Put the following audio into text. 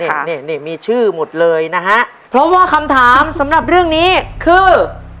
นี่นี่มีชื่อหมดเลยนะฮะเพราะว่าคำถามสำหรับเรื่องนี้คือ